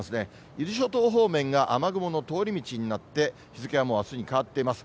伊豆諸島方面が雨雲の通り道になって、日付はもうあすに変わっています。